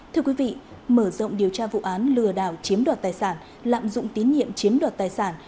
thưa quý vị mở rộng điều tra vụ án lừa đảo chiếm đoạt tài sản lạm dụng tín nhiệm chiếm đoạt tài sản